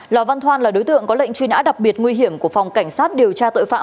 lò văn thoan là đối tượng có lệnh truy nã đặc biệt nguy hiểm của phòng cảnh sát điều tra tội phạm